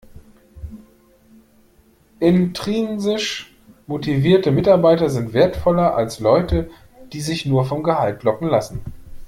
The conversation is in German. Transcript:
Intrinsisch motivierte Mitarbeiter sind wertvoller als Leute, die sich nur vom Gehalt locken lassen.